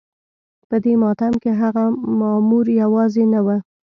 په دې ماتم کې هغه مور يوازې نه وه.